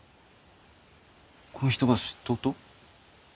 この人ば知っとうと？